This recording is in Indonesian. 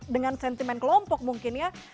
dengan sentimen kelompok mungkin ya